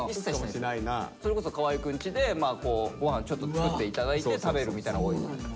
それこそ河合くんちでご飯ちょっと作って頂いて食べるみたいなのが多い。